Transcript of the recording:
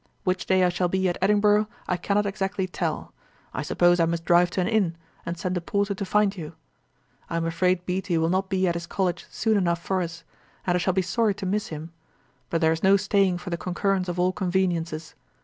Which day I shall be at Edinburgh, I cannot exactly tell. I suppose I must drive to an inn, and send a porter to find you. 'I am afraid Beattie will not be at his College soon enough for us, and I shall be sorry to miss him; but there is no staying for the concurrence of all conveniences.